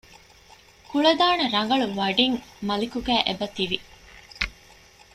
ކުޅަދާނަ ރަނގަޅު ވަޑިން މަލިކުގައި އެބަތިވި